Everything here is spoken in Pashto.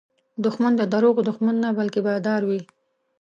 دښمن د دروغو دښمن نه، بلکې بادار وي